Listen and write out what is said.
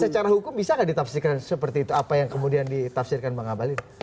secara hukum bisa nggak ditafsirkan seperti itu apa yang kemudian ditafsirkan bang abalin